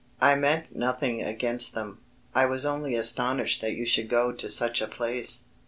I meant nothing against them. I was only astonished that you should go to such a place."